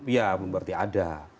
ya berarti ada